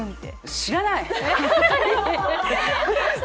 知らないっ！